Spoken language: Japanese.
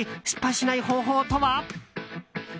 失敗しない方法とは？